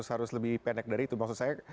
harus lebih pendek dari itu maksud saya